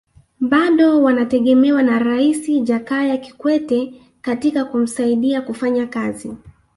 Bado wanategemewa na Rais Jakaya Kikwete katika kumsaidia kufanya kazi